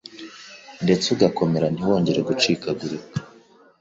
ndetse ugakomera ntiwongere gucikagurika.